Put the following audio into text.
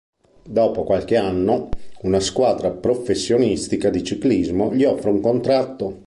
Dopo qualche anno, una squadra professionistica di ciclismo gli offre un contratto.